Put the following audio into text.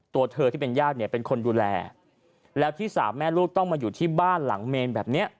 ตัวเธอที่เป็นญาติเนี่ยเป็นคนดูแลแล้วที่สามแม่ลูกต้องมาอยู่ที่บ้านหลังเมนแบบเนี้ย